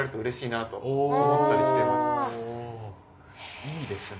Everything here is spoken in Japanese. いいですね。